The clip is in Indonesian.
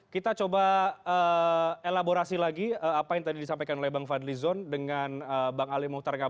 kita coba elaborasi lagi apa yang tadi disampaikan oleh bang fadlizon dengan bang ali muhtar ngabal